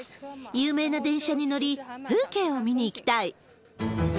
有名な電車に乗り、風景を見に行きたい。